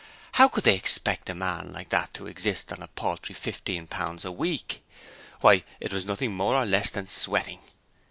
How could they expect a man like that to exist on a paltry fifteen pounds a week? Why, it was nothing more or less than sweating!